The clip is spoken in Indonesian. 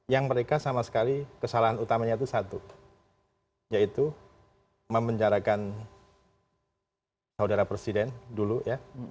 yang mereka sama sekali kesalahan utamanya itu satu yaitu memenjarakan saudara presiden dulu ya